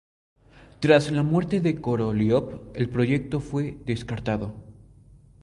Tras la muerte de Koroliov el proyecto fue descartado.